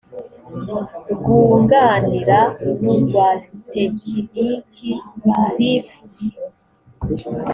rwunganira n urwa tekiniki ba reaf biro